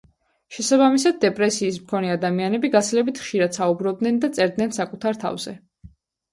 შესაბამისად, დეპრესიის მქონე ადამიანები გაცილებით ხშირად საუბრობდნენ და წერდნენ საკუთარ თავზე.